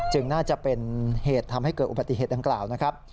น่าจะเป็นเหตุทำให้เกิดอุบัติเหตุดังกล่าวนะครับ